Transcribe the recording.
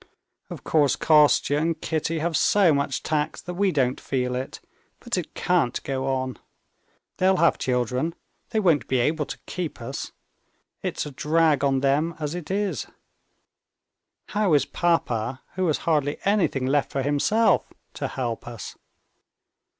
Of course Kostya and Kitty have so much tact that we don't feel it; but it can't go on. They'll have children, they won't be able to keep us; it's a drag on them as it is. How is papa, who has hardly anything left for himself, to help us?